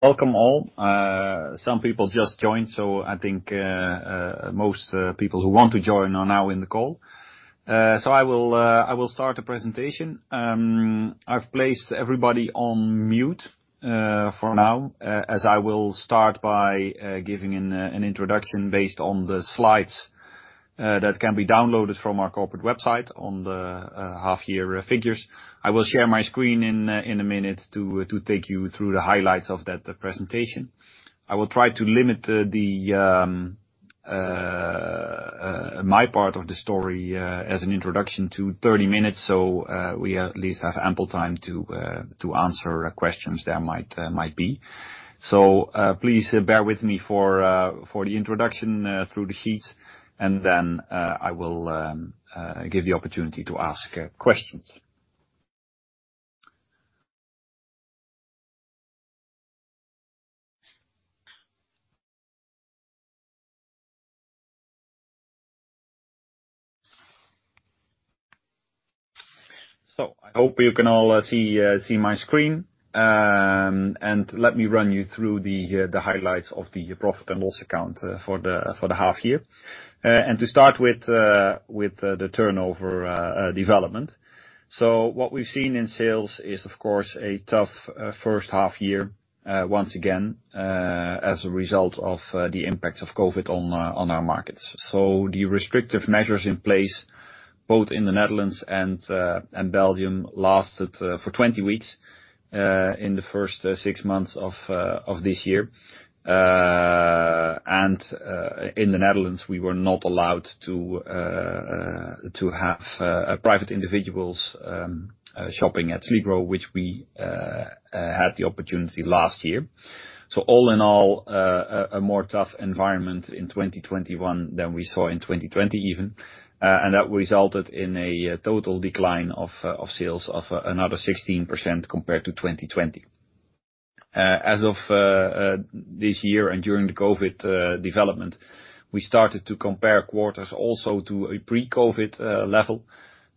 Welcome all. Some people just joined, so I think most people who want to join are now in the call. I will start the presentation. I've placed everybody on mute for now, as I will start by giving an introduction based on the slides that can be downloaded from our corporate website on the half year figures. I will share my screen in a minute to take you through the highlights of that presentation. I will try to limit my part of the story as an introduction to 30 minutes, so we at least have ample time to answer questions there might be. Please bear with me for the introduction through the sheets, and then I will give the opportunity to ask questions. I hope you can all see my screen, and let me run you through the highlights of the profit and loss account for the half year. To start with the turnover development. What we've seen in sales is, of course, a tough first half year, once again, as a result of the impact of COVID on our markets. The restrictive measures in place, both in the Netherlands and Belgium, lasted for 20 weeks in the first six months of this year. In the Netherlands, we were not allowed to have private individuals shopping at Sligro, which we had the opportunity last year. All in all, a more tough environment in 2021 than we saw in 2020 even. That resulted in a total decline of sales of another 16% compared to 2020. As of this year, during the COVID development, we started to compare quarters also to a pre-COVID level,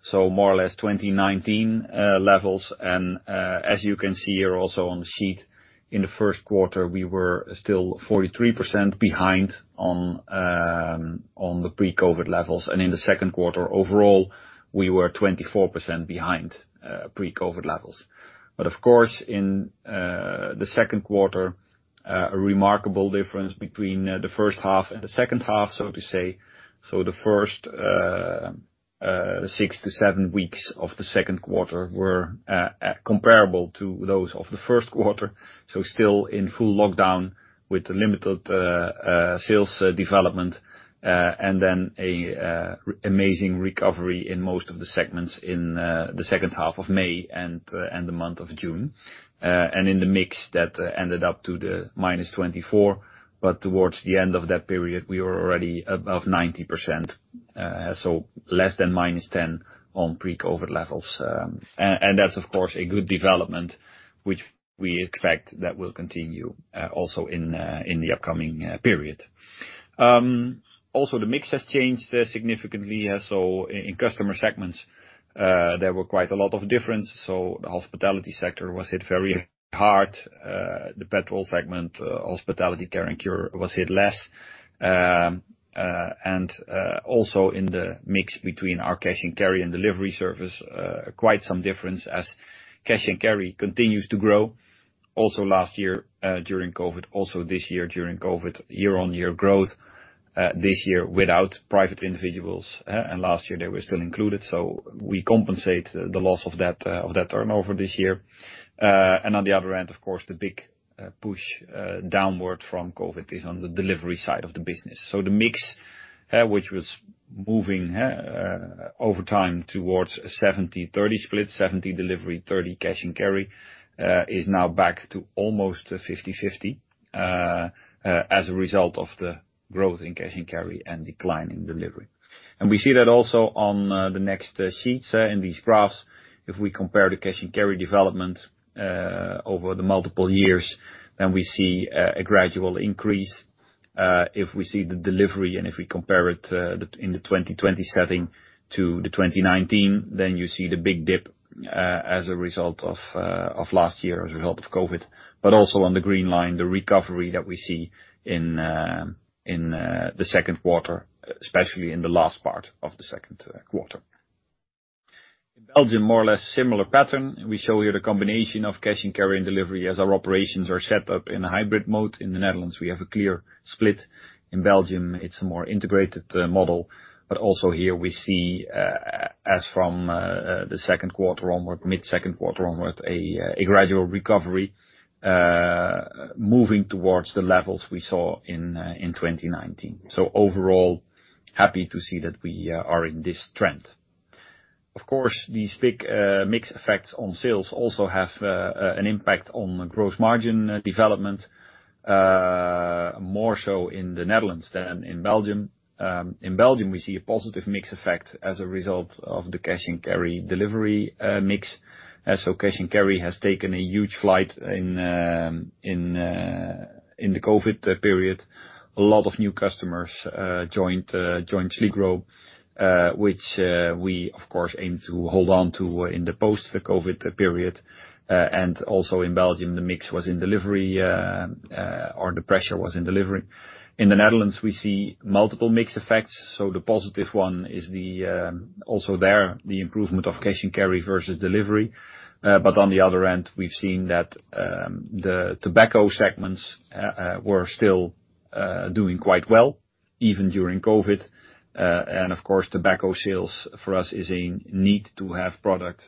so more or less 2019 levels. As you can see here also on the sheet, in the first quarter, we were still 43% behind on the pre-COVID levels. In the second quarter overall, we were 24% behind pre-COVID levels. Of course, in the second quarter, a remarkable difference between the first half and the second half, so to say. The first six to seven weeks of the second quarter were comparable to those of the first quarter. Still in full lockdown with the limited sales development, an amazing recovery in most of the segments in the second half of May and the month of June. In the mix that ended up to the -24%. But towards the end of that period, we were already above 90%, so less than -10% on pre-COVID levels. That's of course a good development, which we expect that will continue also in the upcoming period. The mix has changed significantly. In customer segments, there were quite a lot of difference. The hospitality sector was hit very hard. The petrol segment, hospitality care and cure was hit less. Also in the mix between our cash-and-carry and delivery service, quite some difference as cash-and-carry continues to grow. Last year during COVID, also this year during COVID, year-over-year growth this year without private individuals, and last year they were still included. We compensate the loss of that turnover this year. On the other end, of course, the big push downward from COVID is on the delivery side of the business. The mix which was moving over time towards a 70/30 split. 70% delivery, 30% cash-and-carry, is now back to almost 50/50, as a result of the growth in cash-and-carry and decline in delivery. We see that also on the next sheets in these graphs. If we compare the cash-and-carry development over the multiple years, we see a gradual increase. If we see the delivery and if we compare it in the 2020 setting to the 2019, you see the big dip as a result of last year as a result of COVID. Also on the green line, the recovery that we see in the second quarter, especially in the last part of the second quarter. Belgium, more or less similar pattern. We show here the combination of cash-and-carry and delivery as our operations are set up in a hybrid mode. In the Netherlands, we have a clear split. Here, we see as from the second quarter onward, mid-second quarter onward, a gradual recovery moving towards the levels we saw in 2019. Overall, happy to see that we are in this trend. Of course, these big mix effects on sales also have an impact on gross margin development, more so in the Netherlands than in Belgium. In Belgium, we see a positive mix effect as a result of the cash-and-carry/delivery mix. Cash-and-carry has taken a huge flight In the COVID period, a lot of new customers joined Sligro, which we, of course, aim to hold on to in the post-COVID period. In Belgium, the pressure was in delivery. In the Netherlands, we see multiple mix effects. The positive one is also there. The improvement of cash-and-carry versus delivery. On the other end, we've seen that the tobacco segments were still doing quite well, even during COVID. Of course, tobacco sales for us is a need-to-have product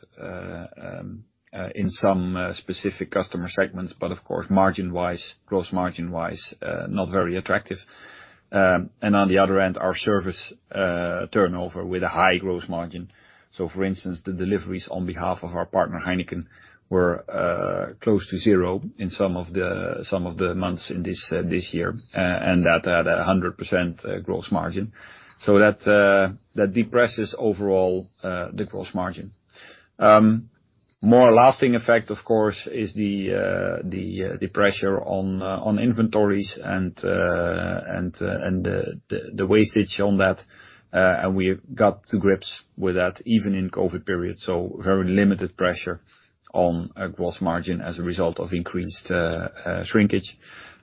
in some specific customer segments. Of course, gross margin-wise, not very attractive. On the other end, our service turnover with a high gross margin. For instance, the deliveries on behalf of our partner HEINEKEN were close to zero in some of the months in this year. That had 100% gross margin. That depresses overall the gross margin. More lasting effect, of course, is the pressure on inventories and the wastage on that. We got to grips with that, even in COVID period. Very limited pressure on gross margin as a result of increased shrinkage.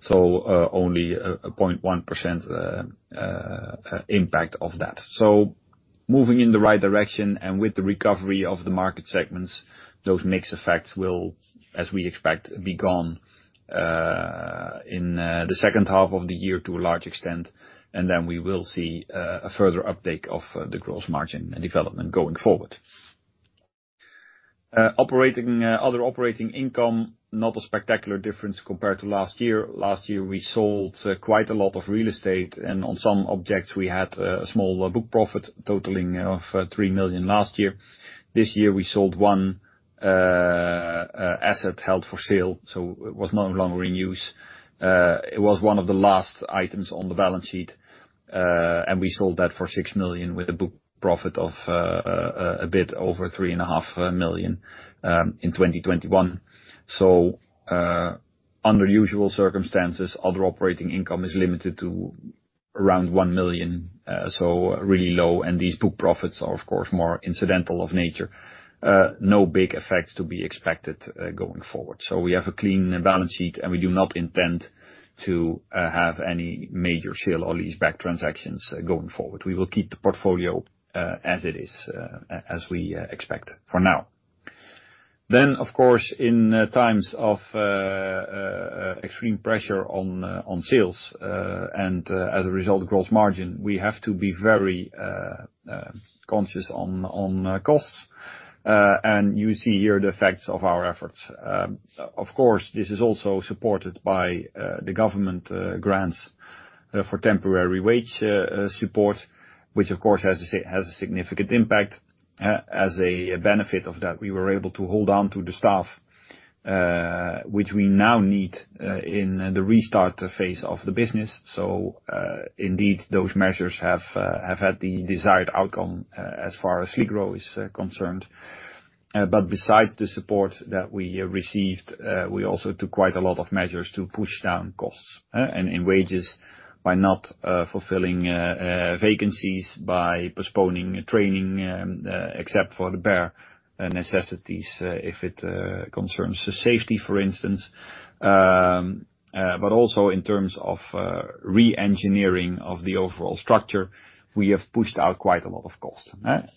Only a 0.1% impact of that. Moving in the right direction, and with the recovery of the market segments, those mix effects will, as we expect, be gone in the second half of the year to a large extent. We will see a further uptake of the gross margin and development going forward. Other operating income, not a spectacular difference compared to last year. Last year, we sold quite a lot of real estate, and on some objects, we had a small book profit totaling of 3 million last year. This year, we sold one asset held for sale, so it was no longer in use. It was one of the last items on the balance sheet. We sold that for 6 million with a book profit of a bit over 3.5 million in 2021. Under usual circumstances, other operating income is limited to around 1 million, so really low. These book profits are, of course, more incidental of nature. No big effects to be expected going forward. We have a clean balance sheet, and we do not intend to have any major sale or leaseback transactions going forward. We will keep the portfolio as it is, as we expect for now. Of course, in times of extreme pressure on sales, and as a result, gross margin, we have to be very conscious on costs. You see here the effects of our efforts. Of course, this is also supported by the government grants for temporary wage support, which of course, has a significant impact. As a benefit of that, we were able to hold on to the staff, which we now need in the restart phase of the business. Indeed, those measures have had the desired outcome as far as Sligro is concerned. Besides the support that we received, we also took quite a lot of measures to push down costs and in wages by not fulfilling vacancies, by postponing training, except for the bare necessities, if it concerns safety, for instance. Also in terms of re-engineering of the overall structure, we have pushed out quite a lot of cost.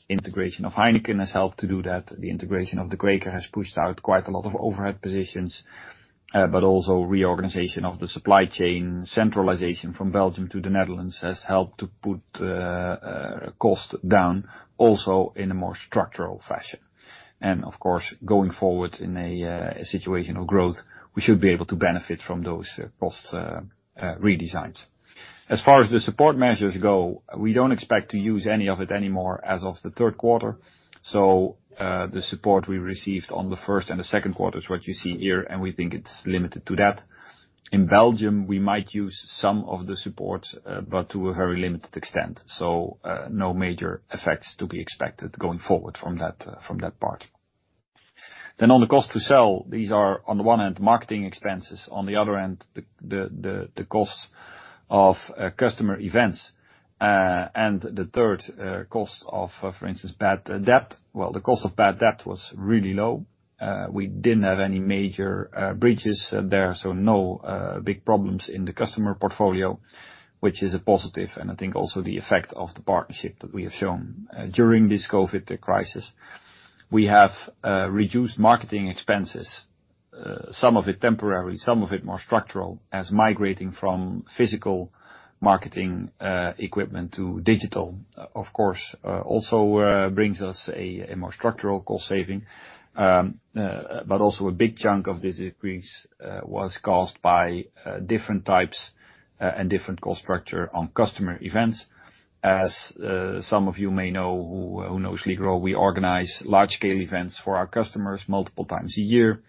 Integration of HEINEKEN has helped to do that. The integration of the De Kweker has pushed out quite a lot of overhead positions, but also reorganization of the supply chain, centralization from Belgium to the Netherlands has helped to put cost down, also in a more structural fashion. Of course, going forward in a situation of growth, we should be able to benefit from those cost redesigns. As far as the support measures go, we don't expect to use any of it anymore as of the third quarter. The support we received on the first and the second quarter is what you see here, and we think it's limited to that. In Belgium, we might use some of the support, but to a very limited extent. No major effects to be expected going forward from that part. On the cost to sell, these are on the one hand, marketing expenses. On the other hand, the cost of customer events. The third cost of, for instance, bad debt. Well, the cost of bad debt was really low. We didn't have any major breaches there. No big problems in the customer portfolio, which is a positive, and I think also the effect of the partnership that we have shown during this COVID crisis. We have reduced marketing expenses. Some of it temporary. Some of it more structural, as migrating from physical marketing equipment to digital, of course, also brings us a more structural cost saving. A big chunk of this decrease was caused by different types and different cost structure on customer events. As some of you may know, who knows Sligro, we organize large scale events for our customers multiple times a year: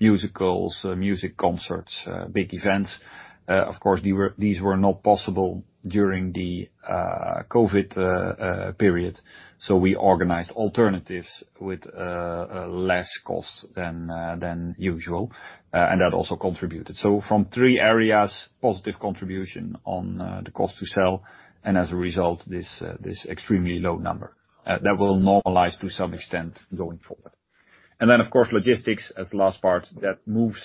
musicals, music concerts, big events. Of course, these were not possible during the COVID period. We organized alternatives with less cost than usual, and that also contributed. From three areas, positive contribution on the cost to sell. As a result, this extremely low number that will normalize to some extent going forward. Of course, logistics as the last part that moves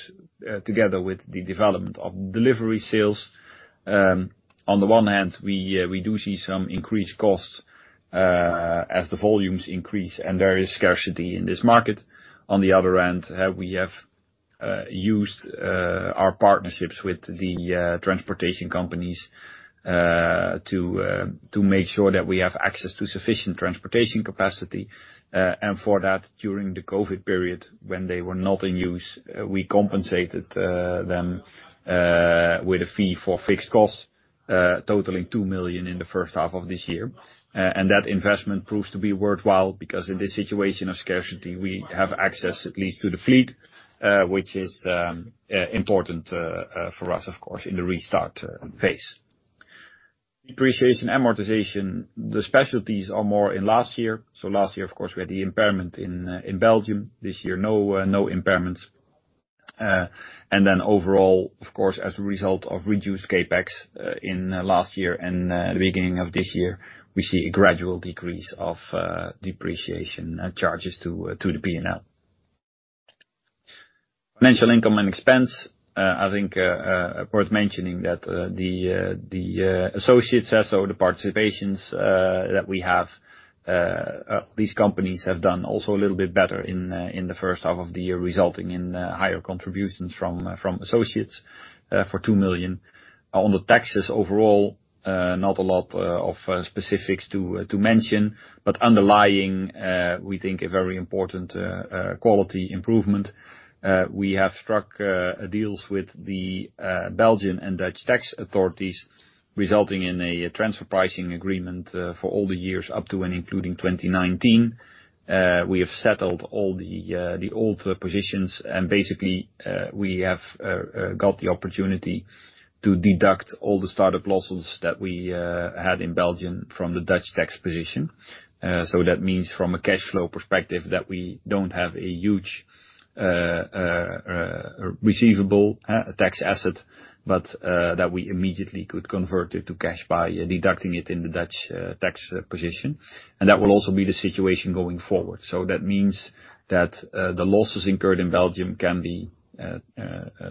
together with the development of delivery sales. On the one hand, we do see some increased costs as the volumes increase and there is scarcity in this market. On the other hand, we have used our partnerships with the transportation companies to make sure that we have access to sufficient transportation capacity. For that, during the COVID period when they were not in use, we compensated them with a fee for fixed costs totaling 2 million in the first half of this year. That investment proves to be worthwhile, because in this situation of scarcity, we have access at least to the fleet, which is important for us, of course, in the restart phase. Depreciation, amortization. The specialties are more in last year. Last year, of course, we had the impairment in Belgium. This year, no impairments. Overall, of course, as a result of reduced CapEx in last year and the beginning of this year, we see a gradual decrease of depreciation charges to the P&L. Financial income and expense. Worth mentioning that the associates, so the participations that we have, these companies have done also a little bit better in the first half of the year, resulting in higher contributions from associates for 2 million. On the taxes overall, not a lot of specifics to mention. But underlying, we think, a very important quality improvement. We have struck deals with the Belgian and Dutch tax authorities, resulting in a transfer pricing agreement for all the years up to and including 2019. We have settled all the older positions, and basically, we have got the opportunity to deduct all the startup losses that we had in Belgium from the Dutch tax position. That means from a cash flow perspective, that we don't have a huge receivable tax asset. That we immediately could convert it to cash by deducting it in the Dutch tax position. That will also be the situation going forward. That means that the losses incurred in Belgium can be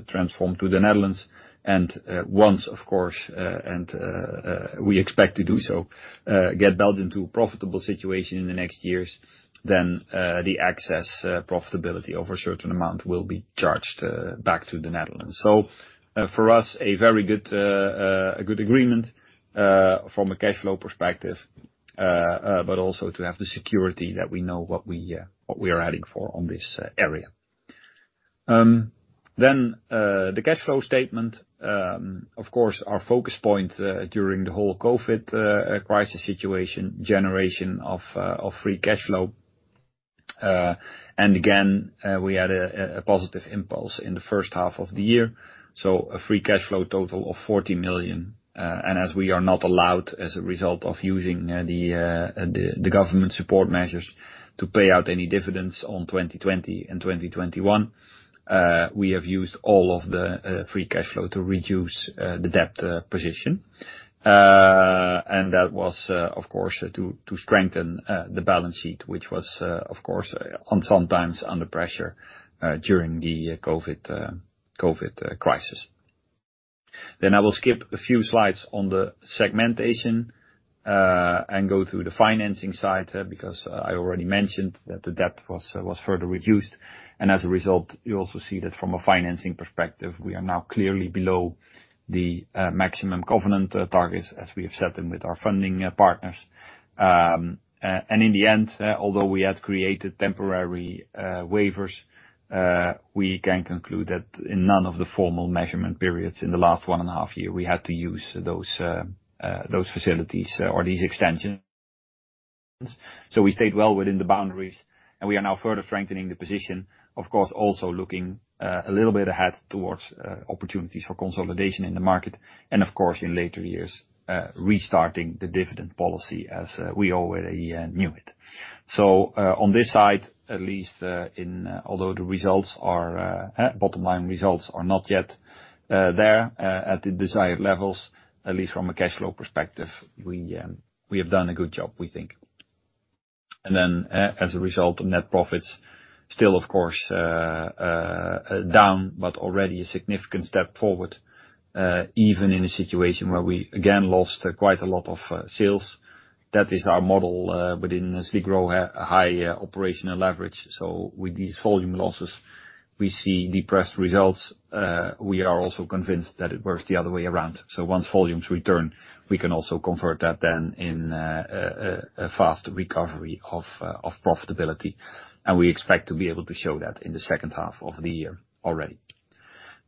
transferred to the Netherlands. Once, of course, and we expect to do so, get Belgium to a profitable situation in the next years. Then, the excess profitability over a certain amount will be charged back to the Netherlands. For us, a very good agreement from a cash flow perspective, but also to have the security that we know what we are heading for on this area. The cash flow statement. Of course, our focus point during the whole COVID crisis situation, generation of free cash flow. Again, we had a positive impulse in the first half of the year. A free cash flow total of 40 million. As we are not allowed, as a result of using the government support measures to pay out any dividends on 2020 and 2021, we have used all of the free cash flow to reduce the debt position. That was, of course, to strengthen the balance sheet, which was, of course, sometimes under pressure during the COVID crisis. I will skip a few slides on the segmentation and go through the financing side, because I already mentioned that the debt was further reduced. As a result, you also see that from a financing perspective, we are now clearly below the maximum covenant targets as we have set them with our funding partners. In the end, although we had created temporary waivers, we can conclude that in none of the formal measurement periods in the last one and a half years, we had to use those facilities or these extensions. We stayed well within the boundaries, and we are now further strengthening the position, of course, also looking a little bit ahead towards opportunities for consolidation in the market. Of course, in later years, restarting the dividend policy as we already knew it. On this side, at least, although the bottom line results are not yet there at the desired levels. At least from a cash flow perspective, we have done a good job, we think. As a result, net profits still, of course, down. But already a significant step forward, even in a situation where we again lost quite a lot of sales. That is our model within Sligro, high operational leverage. With these volume losses, we see depressed results. We are also convinced that it works the other way around. Once volumes return, we can also convert that then in a fast recovery of profitability, and we expect to be able to show that in the second half of the year already.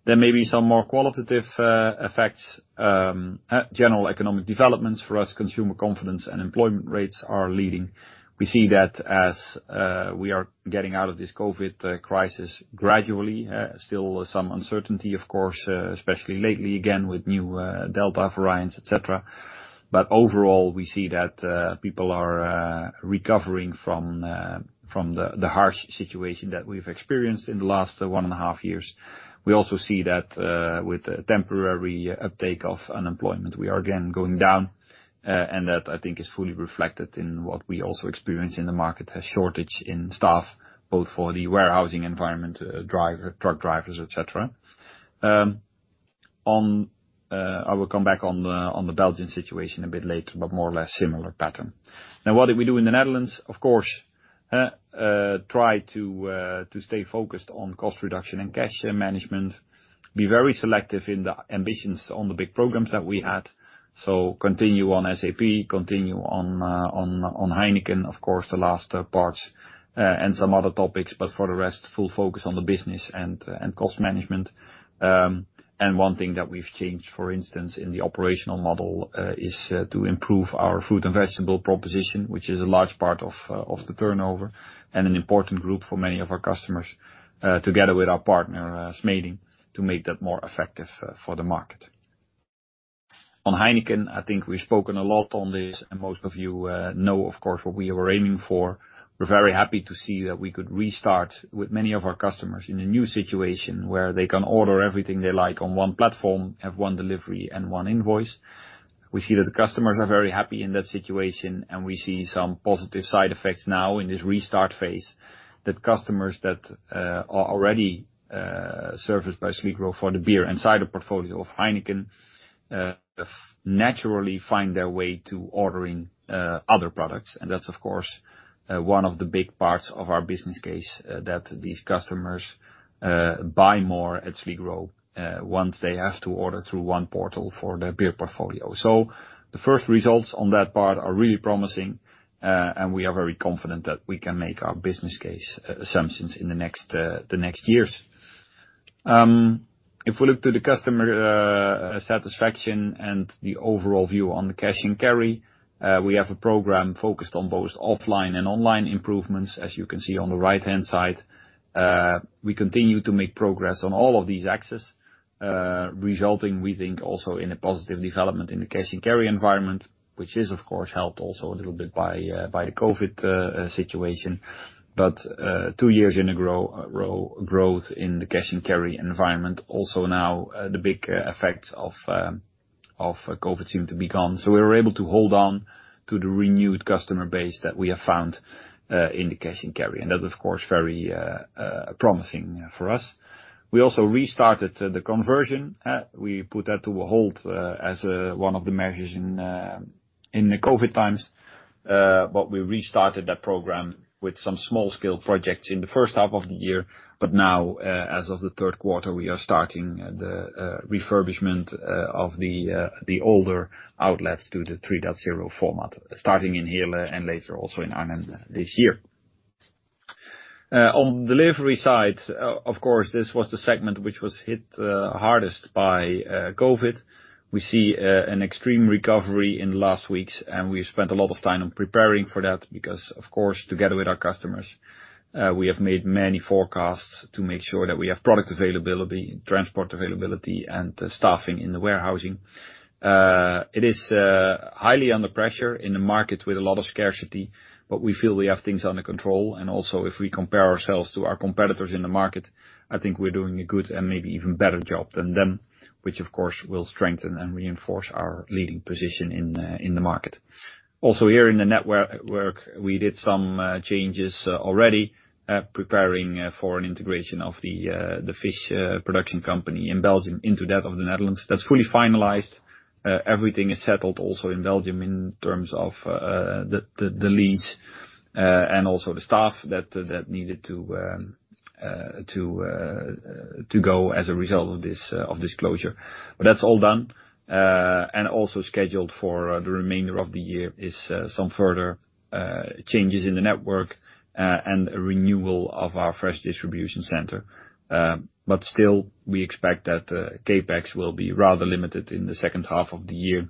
There may be some more qualitative effects. General economic developments for us, consumer confidence and employment rates are leading. We see that as we are getting out of this COVID crisis gradually. Still some uncertainty, of course, especially lately, again with new Delta variants, et cetera. Overall, we see that people are recovering from the harsh situation that we've experienced in the last 1.5 years. We also see that with temporary uptake of unemployment, we are again going down. That, I think, is fully reflected in what we also experience in the market, a shortage in staff, both for the warehousing environment, truck drivers, et cetera. I will come back on the Belgian situation a bit later, but more or less similar pattern. What did we do in the Netherlands? Of course, try to stay focused on cost reduction and cash management, be very selective in the ambitions on the big programmes that we had. Continue on SAP, continue on HEINEKEN, of course, the last parts, and some other topics. For the rest, full focus on the business and cost management. One thing that we've changed, for instance, in the operational model, is to improve our food and vegetable proposition, which is a large part of the turnover and an important group for many of our customers. Together with our partner, Smeding, to make that more effective for the market. On HEINEKEN, I think we've spoken a lot on this. Most of you know, of course, what we were aiming for. We're very happy to see that we could restart with many of our customers in a new situation where they can order everything they like on one platform, have one delivery and one invoice. We see that the customers are very happy in that situation, and we see some positive side effects now in this restart phase that customers that are already serviced by Sligro for the beer and cider portfolio of HEINEKEN, naturally find their way to ordering other products. That's, of course, one of the big parts of our business case that these customers buy more at Sligro once they have to order through one portal for their beer portfolio. The first results on that part are really promising, and we are very confident that we can make our business case assumptions in the next years. If we look to the customer satisfaction and the overall view on the cash-and-carry, we have a programme focused on both offline and online improvements, as you can see on the right-hand side. We continue to make progress on all of these axes, resulting, we think, also in a positive development in the cash-and-carry environment, which is, of course, helped also a little bit by the COVID situation. Two years in a row, growth in the cash-and-carry environment, also now the big effects of COVID seem to be gone. We were able to hold on to the renewed customer base that we have found in the cash-and-carry. That, of course, very promising for us. We also restarted the conversion. We put that to a halt as one of the measures in the COVID times. We restarted that programme with some small scale projects in the first half of the year. Now, as of the third quarter, we are starting the refurbishment of the older outlets to the 3.0 format, starting in Heerlen and later also in Arnhem this year. On delivery side, of course, this was the segment which was hit hardest by COVID. We see an extreme recovery in last weeks, and we spent a lot of time on preparing for that because, of course, together with our customers, we have made many forecasts to make sure that we have product availability, transport availability, and staffing in the warehousing. It is highly under pressure in the market with a lot of scarcity. We feel we have things under control. If we compare ourselves to our competitors in the market, I think we're doing a good and maybe even better job than them, which of course, will strengthen and reinforce our leading position in the market. Here in the network, we did some changes already, preparing for an integration of the fish production company in Belgium into that of the Netherlands. That's fully finalized. Everything is settled also in Belgium in terms of the lease, and also the staff that needed to go as a result of this closure. That's all done and also scheduled for the remainder of the year is some further changes in the network and a renewal of our fresh distribution center. Still, we expect that the CapEx will be rather limited in the second half of the year,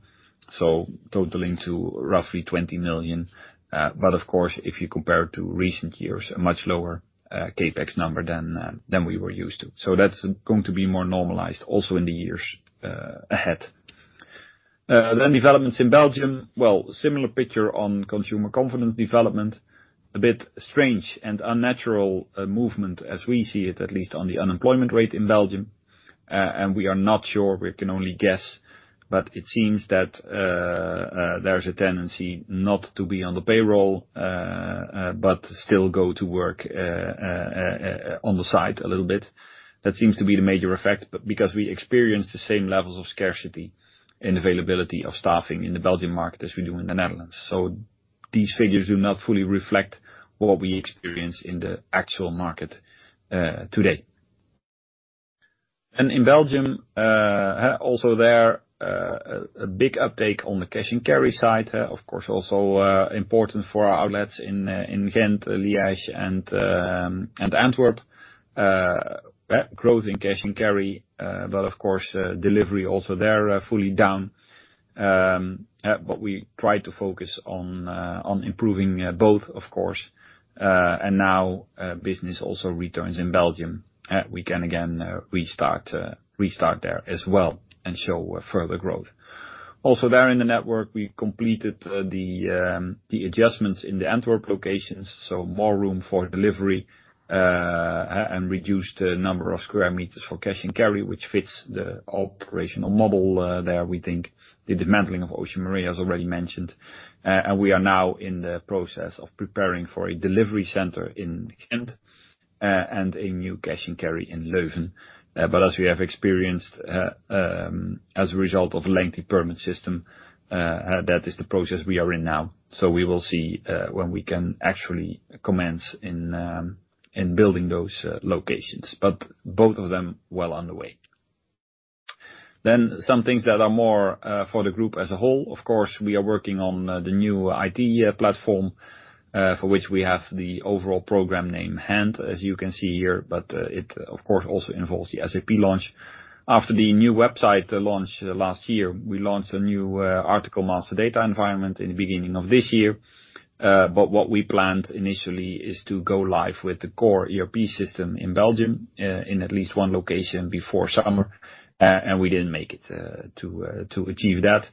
so totaling to roughly 20 million. Of course, if you compare it to recent years, a much lower CapEx number than we were used to. That's going to be more normalized also in the years ahead. Developments in Belgium, well, similar picture on consumer confidence development, a bit strange and unnatural movement as we see it, at least on the unemployment rate in Belgium. We are not sure. We can only guess. It seems that there's a tendency not to be on the payroll, but still go to work on the side a little bit. That seems to be the major effect because we experience the same levels of scarcity and availability of staffing in the Belgium market as we do in the Netherlands. These figures do not fully reflect what we experience in the actual market today. In Belgium, also there, a big uptake on the cash-and-carry side, of course, also important for our outlets in Ghent, Liège, and Antwerp. Growth in cash-and-carry, but of course, delivery also there fully down. We try to focus on improving both, of course. Now, business also returns in Belgium. We can again restart there as well and show further growth. There in the network. We completed the adjustments in the Antwerp locations, so more room for delivery and reduced the number of square meters for cash-and-carry, which fits the operational model there, we think. The dismantling of Océan Marée, as already mentioned. We are now in the process of preparing for a delivery center in Ghent and a new cash-and-carry in Leuven. As we have experienced, as a result of lengthy permit system, that is the process we are in now. We will see when we can actually commence in building those locations. Both of them well on the way. Some things that are more for the group as a whole. Of course, we are working on the new IT platform, for which we have the overall programme name [HANA], as you can see here, but it of course also involves the SAP launch. After the new website launch last year, we launched a new article master data environment in the beginning of this year. What we planned initially is to go live with the core ERP system in Belgium in at least one location before summer, and we didn't make it to achieve that.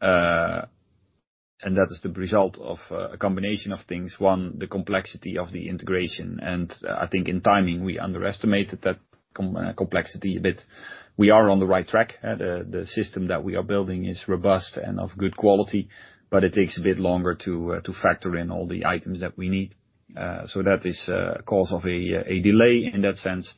That is the result of a combination of things. One, the complexity of the integration. I think in timing, we underestimated that complexity a bit. We are on the right track. The system that we are building is robust and of good quality, but it takes a bit longer to factor in all the items that we need. That is cause of a delay in that sense.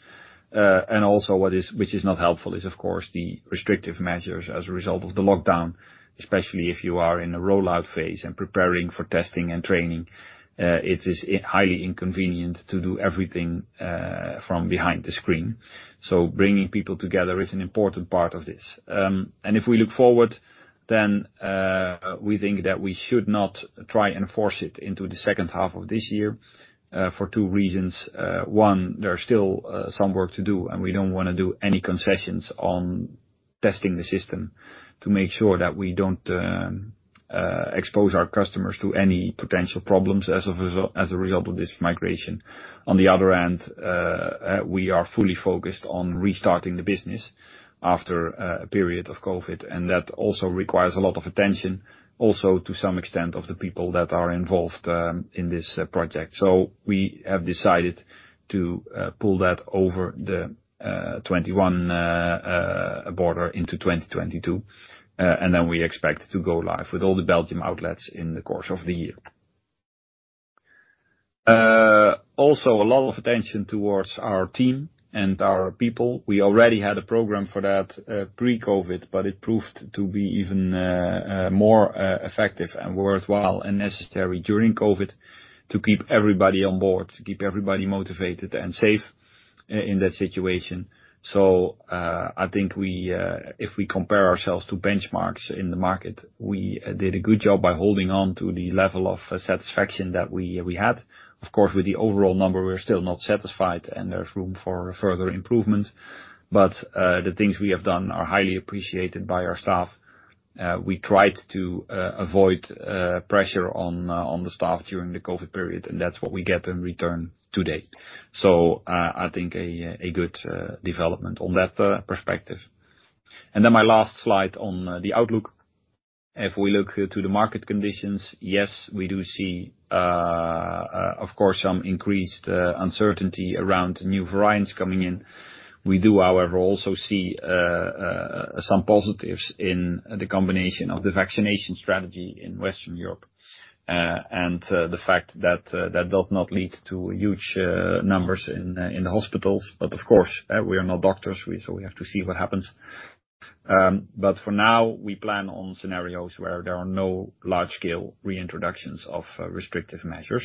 Also, which is not helpful, is of course, the restrictive measures as a result of the lockdown, especially if you are in a rollout phase and preparing for testing and training. It is highly inconvenient to do everything from behind the screen. Bringing people together is an important part of this. If we look forward, then we think that we should not try and force it into the second half of 2021 for two reasons. One, there are still some work to do, and we don't want to do any concessions on testing the system to make sure that we don't expose our customers to any potential problems as a result of this migration. On the other end, we are fully focused on restarting the business after a period of COVID. That also requires a lot of attention, also to some extent of the people that are involved in this project. We have decided to pull that over the 2021 border into 2022, and then we expect to go live with all the Belgium outlets in the course of the year. Also a lot of attention towards our team and our people. We already had a programme for that pre-COVID, but it proved to be even more effective and worthwhile and necessary during COVID to keep everybody on board, to keep everybody motivated and safe in that situation. I think if we compare ourselves to benchmarks in the market, we did a good job by holding on to the level of satisfaction that we had. With the overall number, we're still not satisfied and there's room for further improvement. The things we have done are highly appreciated by our staff. We tried to avoid pressure on the staff during the COVID period, that's what we get in return today. I think a good development on that perspective. My last slide on the outlook. If we look to the market conditions, yes, we do see, of course, some increased uncertainty around new variants coming in. We do, however, also see some positives in the combination of the vaccination strategy in Western Europe and the fact that that does not lead to huge numbers in the hospitals. Of course, we are not doctors, we have to see what happens. For now, we plan on scenarios where there are no large scale reintroductions of restrictive measures.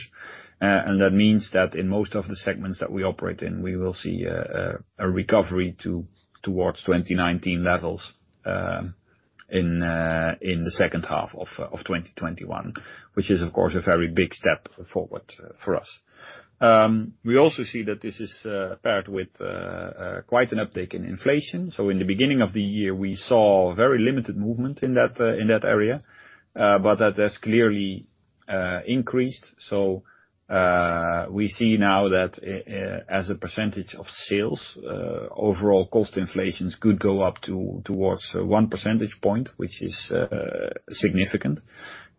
That means that in most of the segments that we operate in, we will see a recovery towards 2019 levels in the second half of 2021, which is, of course, a very big step forward for us. We also see that this is paired with quite an uptick in inflation. In the beginning of the year, we saw very limited movement in that area. That has clearly increased. We see now that as a percentage of sales, overall cost inflation could go up towards 1 percentage point, which is significant,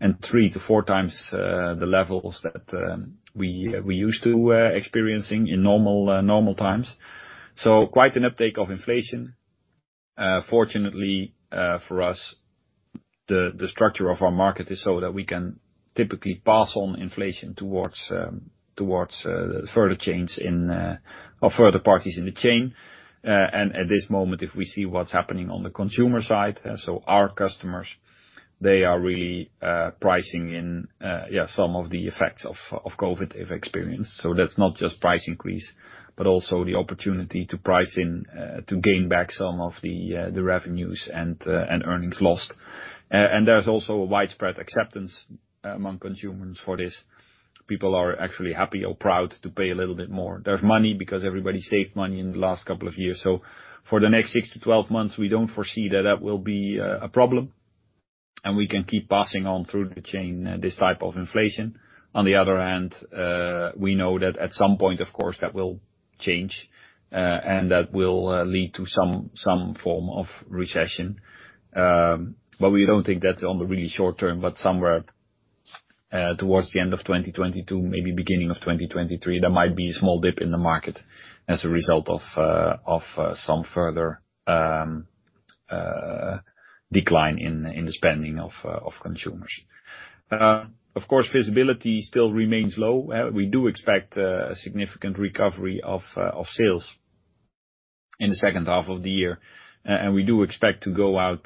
and 3x-4x the levels that we're used to experiencing in normal times. Quite an uptick of inflation. Fortunately for us, the structure of our market is so that we can typically pass on inflation towards further parties in the chain. At this moment, if we see what's happening on the consumer side. Our customers, they are really pricing in some of the effects of COVID they've experienced. That's not just price increase, but also the opportunity to price in to gain back some of the revenues and earnings lost. There's also a widespread acceptance among consumers for this. People are actually happy or proud to pay a little bit more. There's money because everybody saved money in the last couple of years. For the next 6-12 months, we don't foresee that that will be a problem. We can keep passing on through the chain this type of inflation. On the other hand, we know that at some point, of course, that will change. That will lead to some form of recession. We don't think that's on the really short term, but somewhere towards the end of 2022. Maybe beginning of 2023, there might be a small dip in the market as a result of some further decline in the spending of consumers. Of course, visibility still remains low. We do expect a significant recovery of sales in the second half of the year, and we do expect to go out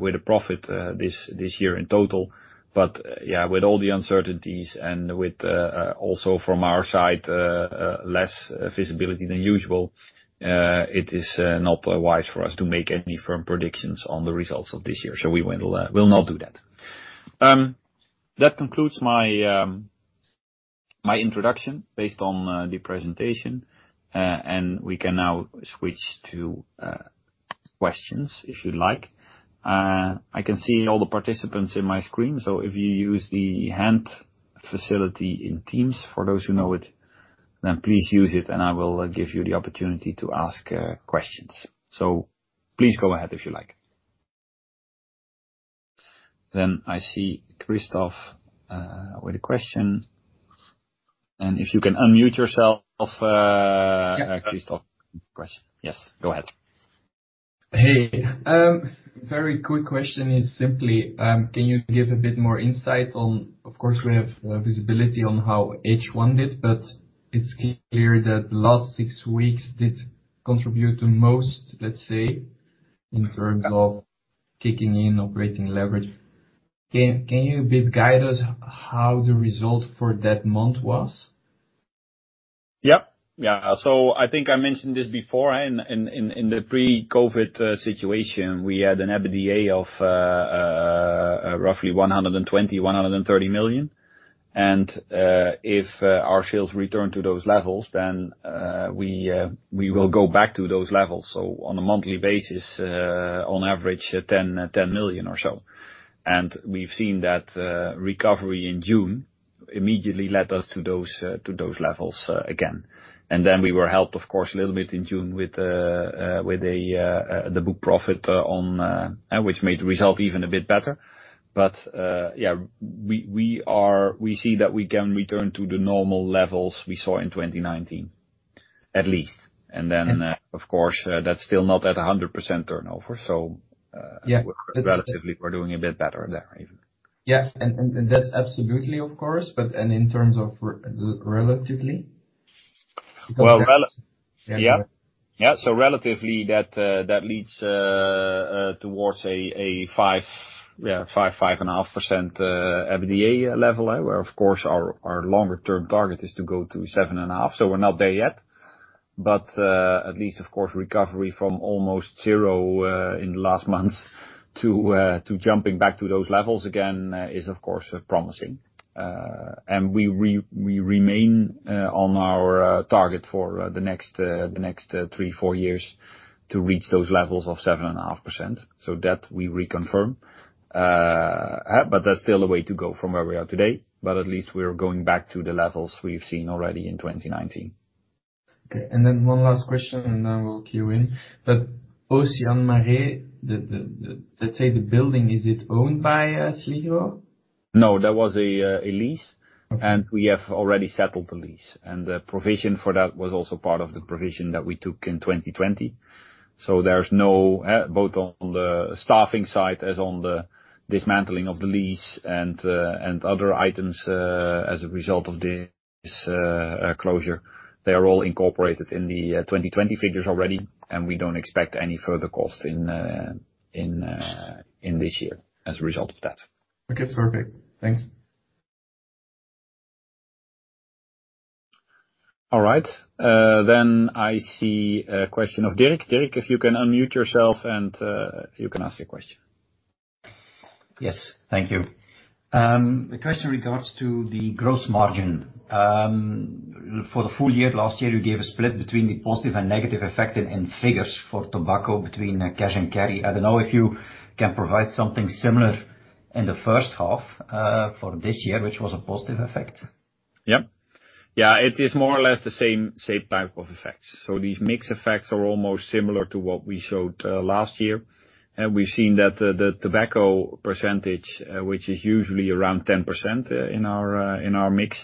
with a profit this year in total. Yeah, with all the uncertainties and with also from our side less visibility than usual, it is not wise for us to make any firm predictions on the results of this year. We will not do that. That concludes my introduction based on the presentation, and we can now switch to questions if you'd like. I can see all the participants in my screen. If you use the hand facility in Teams, for those who know it, then please use it. I will give you the opportunity to ask questions. Please go ahead if you like. I see [Christophe] with a question, and if you can unmute yourself, [Christophe]. Yeah. Question. Yes, go ahead. Hey. Very quick question is simply, can you give a bit more insight on, of course, we have visibility on how H1 did. It's clear that the last six weeks did contribute to most, let's say, in terms of kicking in operating leverage? Can you a bit guide us how the result for that month was? Yep. Yeah. I think I mentioned this before. In the pre-COVID situation, we had an EBITDA of roughly 120 million-130 million. If our sales return to those levels, then we will go back to those levels. On a monthly basis, on average, 10 million or so. We've seen that recovery in June immediately led us to those levels again. We were helped, of course, a little bit in June with the book profit, which made the result even a bit better. Yeah, we see that we can return to the normal levels we saw in 2019, at least. Of course, that's still not at 100% turnover. Yeah. Relatively, we're doing a bit better there even. Yeah. That's absolutely, of course, but and in terms of relatively? Well, yeah. Relatively that leads towards a 5.5% EBITDA level, where, of course, our longer-term target is to go to 7.5%. We're not there yet. At least, of course, recovery from almost 0% in the last months to jumping back to those levels again is, of course, promising. We remain on our target for the next three, four years to reach those levels of 7.5%. That we reconfirm, but that's still a way to go from where we are today, but at least we're going back to the levels we've seen already in 2019. Okay. Then one last question, and then we'll queue in. Océan Marée, let's say, the building, is it owned by Sligro? No, that was a lease. Okay. We have already settled the lease, and the provision for that was also part of the provision that we took in 2020. Both on the staffing side as on the dismantling of the lease and other items as a result of this closure, they are all incorporated in the 2020 figures already. We don't expect any further cost in this year as a result of that. Okay, perfect. Thanks. All right. I see a question of [Dirk]. [Dirk], if you can unmute yourself and you can ask your question. Yes. Thank you. A question in regards to the gross margin. For the full year last year, you gave a split between the positive and negative effect in figures for tobacco between cash-and-carry. I don't know if you can provide something similar in the first half, for this year, which was a positive effect? Yep. Yeah, it is more or less the same type of effects. These mix effects are almost similar to what we showed last year. We've seen that the tobacco percentage, which is usually around 10% in our mix,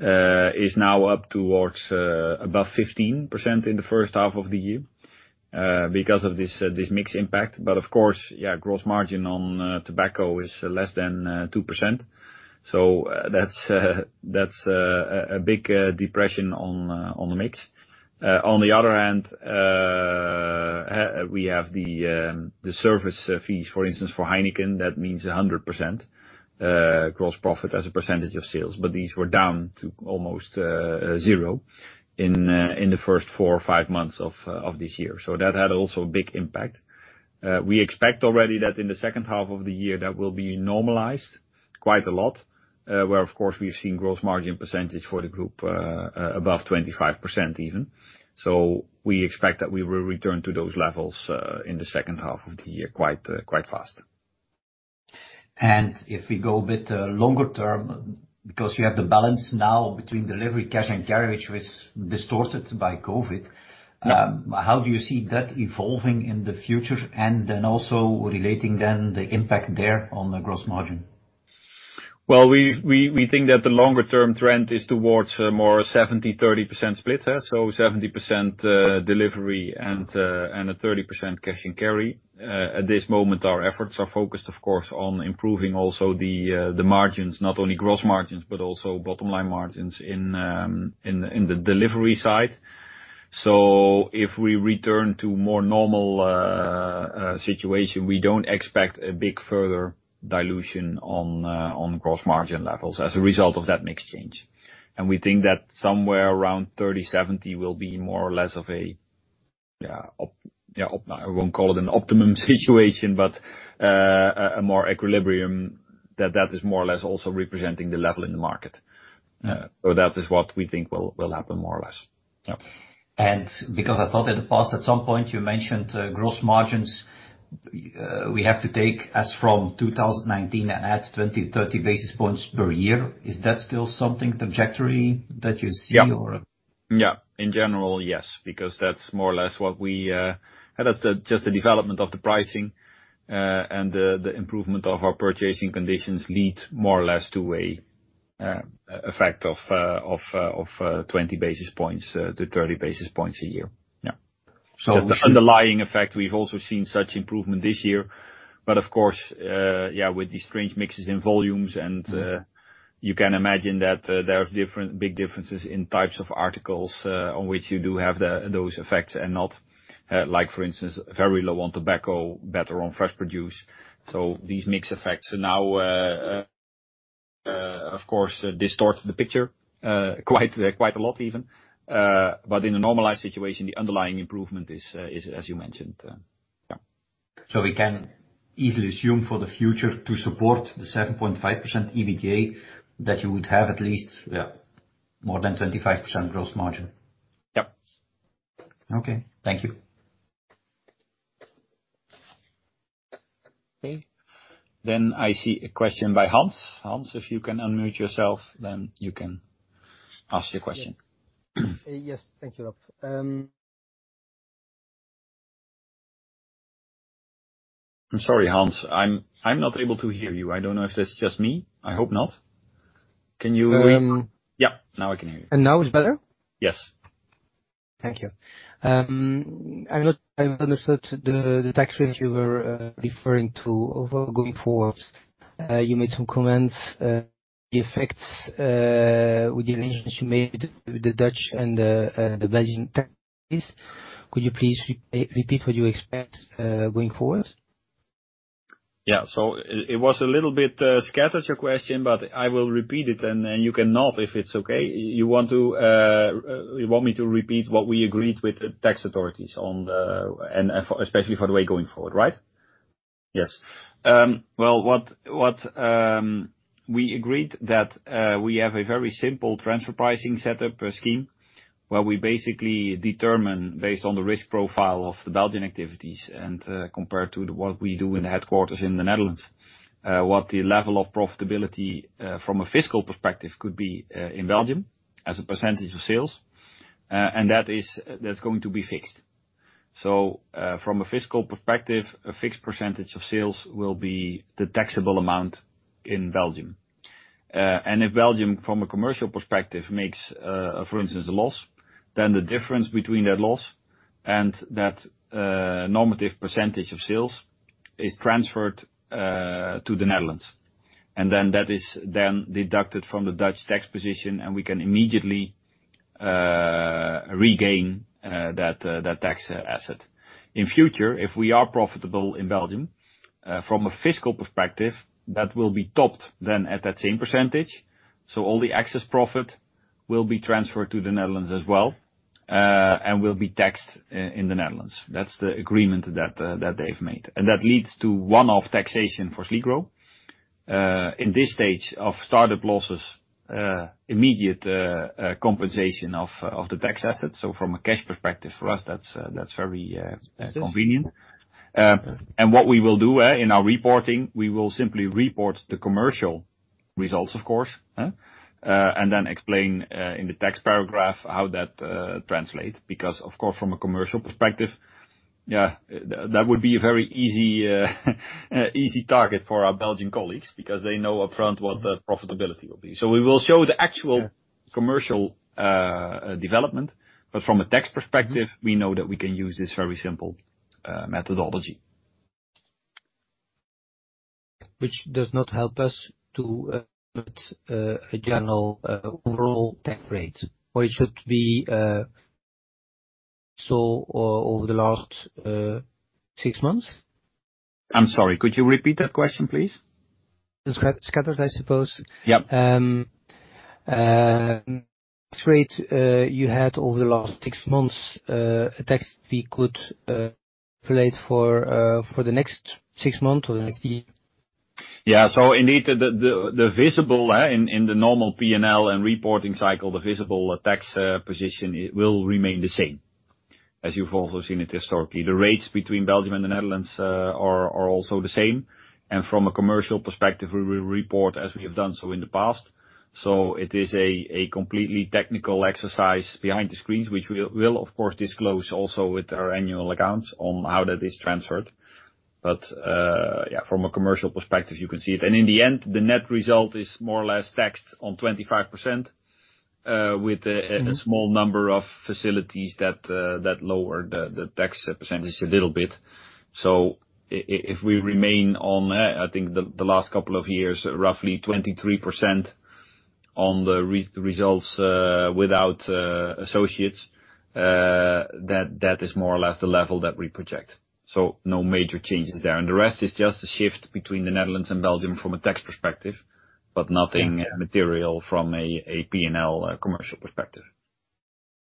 is now up towards above 15% in the first half of the year, because of this mix impact. Of course, yeah, gross margin on tobacco is less than 2%. That's a big depression on the mix. On the other hand, we have the service fees. For instance, for HEINEKEN, that means 100% gross profit as a percentage of sales. These were down to almost 0% in the first four or five months of this year. That had also a big impact. We expect already that in the second half of the year, that will be normalized quite a lot, where, of course, we've seen gross margin percentage for the group above 25% even. We expect that we will return to those levels in the second half of the year quite fast. If we go a bit longer term, because you have the balance now between delivery, cash-and-carry, which was distorted by COVID. Yeah. How do you see that evolving in the future? Also relating then the impact there on the gross margin? We think that the longer-term trend is towards a more 70%/30% split. 70% delivery and a 30% cash-and-carry. At this moment, our efforts are focused, of course, on improving also the margins, not only gross margins, but also bottom-line margins in the delivery side. If we return to more normal situation, we don't expect a big further dilution on gross margin levels as a result of that mix change. We think that somewhere around 30/70 will be more or less. Yeah. I won't call it an optimum situation, but a more equilibrium that is more or less also representing the level in the market. That is what we think will happen, more or less. Because I thought in the past at some point you mentioned gross margins. We have to take as from 2019 adds 20 basis points, 30 basis points per year. Is that still something trajectory that you see or? Yeah. In general, yes, because that's more or less just the development of the pricing, and the improvement of our purchasing conditions lead more or less to a effect of 20 basis points-30 basis points a year. Yeah. So we should- The underlying effect, we've also seen such improvement this year. Of course, with these strange mixes in volumes and you can imagine that there are big differences in types of articles, on which you do have those effects and not. Like for instance, very low on tobacco, better on fresh produce. These mix effects now, of course, distort the picture. Quite a lot even. In a normalized situation, the underlying improvement is as you mentioned. Yeah. We can easily assume for the future to support the 7.5% EBITDA that you would have at least- Yeah.... more than 25% gross margin? Yep. Okay. Thank you. Okay. I see a question by [Hans]. [Hans], if you can unmute yourself, then you can ask your question. Yes. Thank you, Rob. I'm sorry, [Hans]. I'm not able to hear you. I don't know if that's just me, I hope not? Can you repeat? Yeah, now I can hear you. Now it's better? Yes. Thank you. I've understood the tax rate you were referring to going forward. You made some comments, the effects, with the arrangements you made with the Dutch and the Belgian tax base. Could you please repeat what you expect, going forward? Yeah. It was a little bit scattered, your question, but I will repeat it and you can nod if it's okay. You want me to repeat what we agreed with the tax authorities and especially for the way going forward, right? Yes. What we agreed that, we have a very simple transfer pricing set up per scheme, where we basically determine based on the risk profile of the Belgian activities, and compare to what we do in the headquarters in the Netherlands, what the level of profitability from a fiscal perspective could be in Belgium as a percentage of sales. That's going to be fixed. From a fiscal perspective, a fixed percentage of sales will be the taxable amount in Belgium. If Belgium, from a commercial perspective, makes for instance, a loss, then the difference between that loss and that normative percentage of sales is transferred to the Netherlands. Then that is then deducted from the Dutch tax position, and we can immediately regain that tax asset. In future, if we are profitable in Belgium, from a fiscal perspective, that will be topped then at that same percentage. All the excess profit will be transferred to the Netherlands as well, and will be taxed in the Netherlands. That's the agreement that they've made. That leads to one-off taxation for Sligro. In this stage of startup losses, immediate compensation of the tax assets. From a cash perspective, for us, that's very convenient. What we will do in our reporting, we will simply report the commercial results, of course. Then explain, in the tax paragraph how that translates because, of course, from a commercial perspective that would be a very easy target for our Belgian colleagues, because they know upfront what the profitability will be. We will show the actual commercial development. From a tax perspective, we know that we can use this very simple methodology. Which does not help us to put a general overall tax rate, or it should be so over the last six months? I'm sorry. Could you repeat that question, please? It's scattered, I suppose. Yep. Tax rate you had over the last six months, a tax we could relate for the next six months or the next year- Indeed, the visible lane in the normal P&L and reporting cycle, the visible tax position, it will remain the same, as you've also seen it historically. The rates between Belgium and the Netherlands are also the same. From a commercial perspective, we will report as we have done so in the past. It is a completely technical exercise behind the screens, which we will of course disclose also with our annual accounts on how that is transferred. From a commercial perspective, you can see it. In the end, the net result is more or less taxed on 25%, with a small number of facilities that lower the tax percentage a little bit. If we remain on that, I think the last couple of years, roughly 23% on the results without associates, that is more or less the level that we project. No major changes there. The rest is just a shift between the Netherlands and Belgium from a tax perspective, but nothing material from a P&L commercial perspective.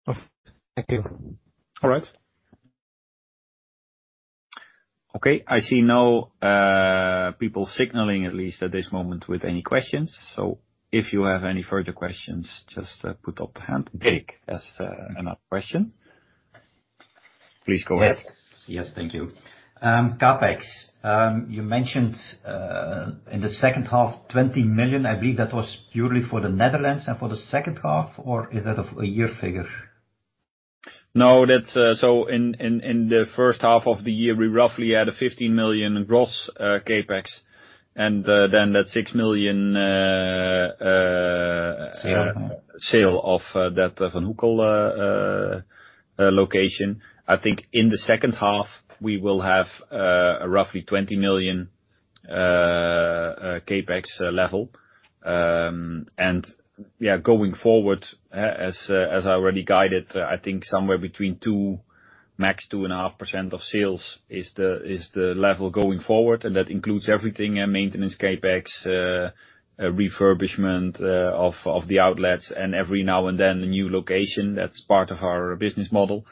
Thank you. All right. Okay, I see no people signaling, at least at this moment, with any questions. If you have any further questions, just put up the hand. [Dirk] has another question. Please go ahead. Yes. Thank you. CapEx, you mentioned in the second half, 20 million. I believe that was purely for the Netherlands and for the second half, or is that a year figure? No. In the first half of the year, we roughly had a 15 million gross CapEx. Then, the EUR 6 million- Sale... sale of that Van Hoeckel location. I think in the second half, we will have a roughly 20 million CapEx level. Going forward, as I already guided, I think somewhere between 2%, max 2.5% of sales is the level going forward. That includes everything, maintenance, CapEx, refurbishment of the outlets, and every now and then a new location that's part of our business model.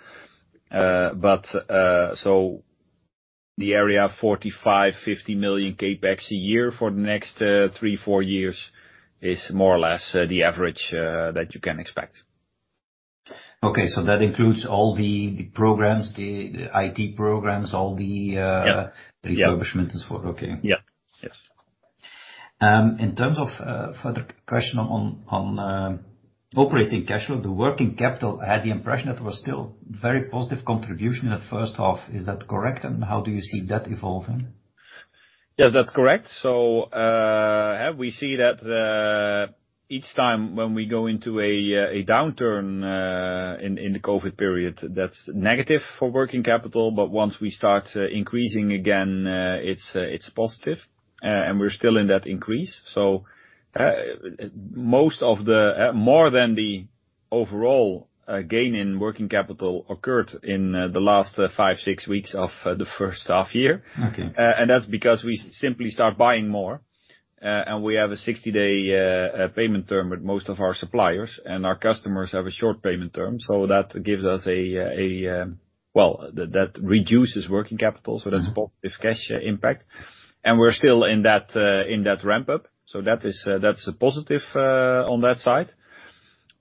The area 45 million, 50 million CapEx a year for the next three, four years is more or less the average that you can expect. That includes all the programmes, the IT programmes- Yeah. The refurbishment as well? Okay. Yeah. In terms of further question on operating cash flow, the working capital, I had the impression that was still very positive contribution in the first half. Is that correct, and how do you see that evolving? Yes, that's correct. We see that each time when we go into a downturn in the COVID period, that's negative for working capital. Once we start increasing again, it's positive. We're still in that increase. More than the overall gain in working capital occurred in the last five, six weeks of the first half year. Okay. That's because we simply start buying more, and we have a 60-day payment term with most of our suppliers. Our customers have a short payment term. That reduces working capital, so that's a positive cash impact. We're still in that ramp-up. That's a positive on that side.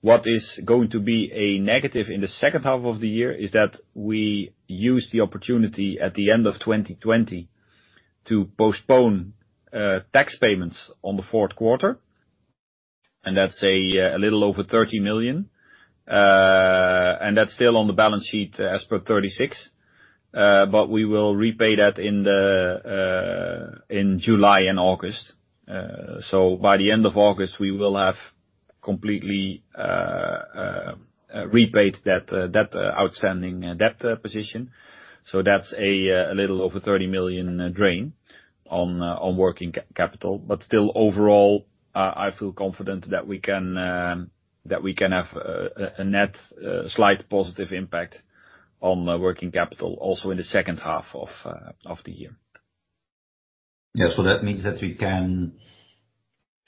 What is going to be a negative in the second half of the year is that we use the opportunity at the end of 2020 to postpone tax payments on the fourth quarter, and that's a little over 30 million. That's still on the balance sheet as per 30/06. We will repay that in July and August. By the end of August, we will have completely repaid that outstanding debt position. That's a little over 30 million in drain on working capital. Still overall, I feel confident that we can have a net slight positive impact on working capital also in the second half of the year. Yeah.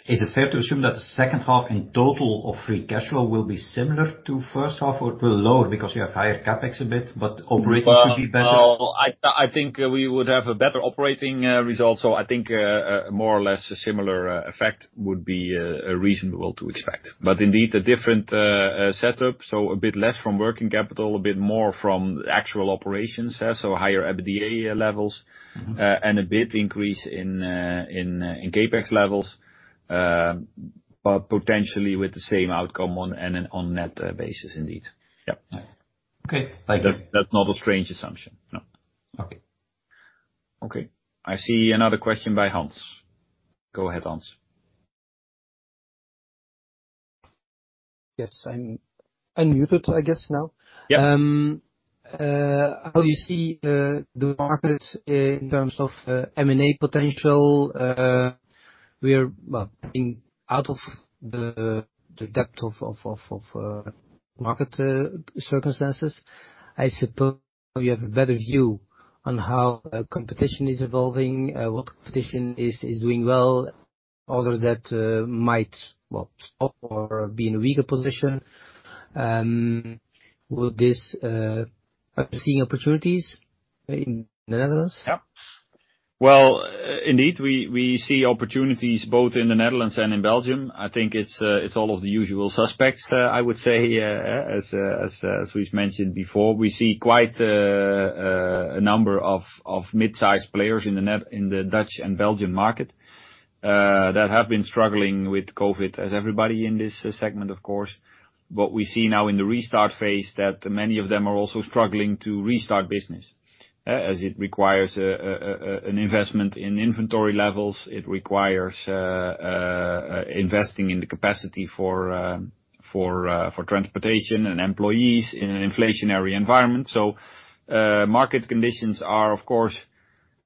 Is it fair to assume that the second half in total of free cash flow will be similar to first half, or it will lower because you have higher CapEx a bit, but operating should be better? Well, I think we would have a better operating result. I think more or less a similar effect would be reasonable to expect. Indeed, a different setup. A bit less from working capital, a bit more from actual operations. Higher EBITDA levels. A bit increase in CapEx levels, but potentially with the same outcome on a net basis indeed. Yep. Okay. Thank you. That's not a strange assumption, no. Okay. Okay, I see another question by Hans. Go ahead, Hans. Yes, I'm unmuted, I guess now. Yeah. How do you see the market in terms of M&A potential? We are, well, being out of the depth of market circumstances. I suppose you have a better view on how competition is evolving, what competition is doing well, other that might stop or be in a weaker position? Are we seeing opportunities in the Netherlands? Well, indeed, we see opportunities both in the Netherlands and in Belgium. I think it's all of the usual suspects, I would say, as we've mentioned before. We see quite a number of mid-size players in the Dutch and Belgian market that have been struggling with COVID, as everybody in this segment, of course. What we see now in the restart phase. That many of them are also struggling to restart business, as it requires an investment in inventory levels. It requires investing in the capacity for transportation and employees in an inflationary environment. Market conditions are, of course,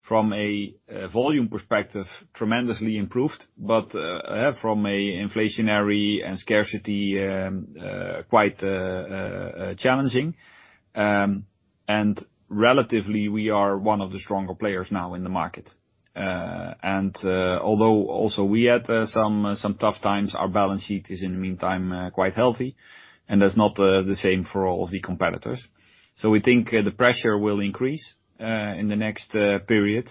from a volume perspective, tremendously improved. From a inflationary and scarcity, quite challenging. Relatively, we are one of the stronger players now in the market. Although also we had some tough times, our balance sheet is in the meantime quite healthy. That's not the same for all of the competitors. We think the pressure will increase in the next period.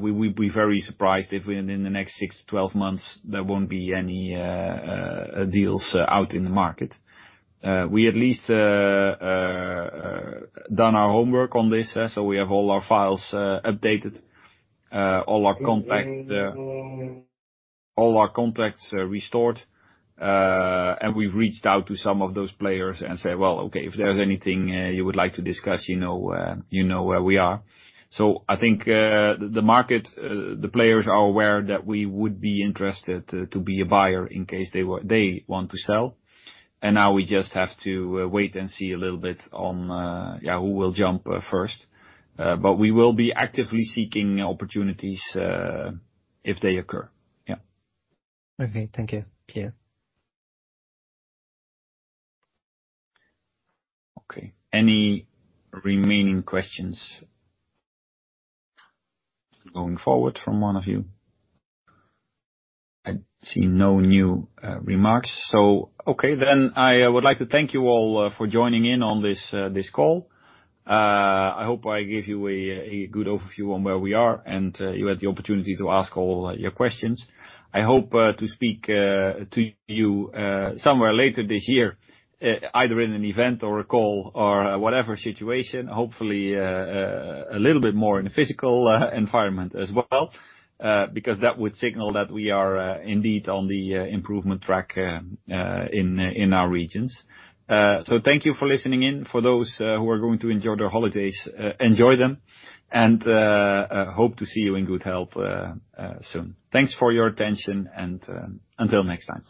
We'd be very surprised if in the next 6-12 months there won't be any deals out in the market. We at least done our homework on this, so we have all our files updated. All our contacts restored. We've reached out to some of those players and said, "Well, okay, if there's anything you would like to discuss, you know where we are." I think the market, the players are aware that we would be interested to be a buyer in case they want to sell. Now we just have to wait and see a little bit on who will jump first. We will be actively seeking opportunities if they occur. Yeah. Okay. Thank you, [Sir]. Okay. Any remaining questions going forward from one of you? I see no new remarks. Okay then. I would like to thank you all for joining in on this call. I hope I gave you a good overview on where we are, and you had the opportunity to ask all your questions. I hope to speak to you somewhere later this year, either in an event or a call or whatever situation. Hopefully a little bit more in a physical environment as well, because that would signal that we are indeed on the improvement track in our regions. Thank you for listening in. For those who are going to enjoy their holidays, enjoy them. Hope to see you in good health soon. Thanks for your attention and until next time.